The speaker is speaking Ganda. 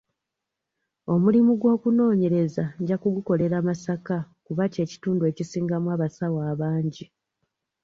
Omulimu gw'okunoonyereza nja gukolera Masaka kuba kye kitundu ekisingamu abasawo abangi.